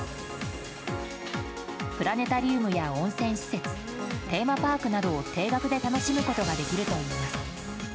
プラネタリウムや温泉施設テーマパークなどを定額で楽しむことができるといいます。